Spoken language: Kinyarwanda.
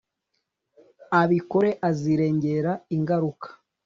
abikore azirengera ingaruka